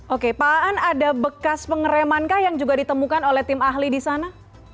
oke pak aan ada bekas pengeremankah yang juga ditemukan oleh tim ahli di sana